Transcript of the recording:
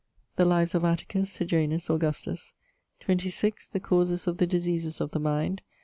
The Lives of Atticus, Sejanus, Augustus. 26. The Causes of the Diseases of the Mind.